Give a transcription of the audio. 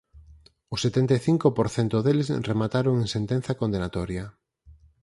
O setenta e cinco por cento deles remataron en sentenza condenatoria.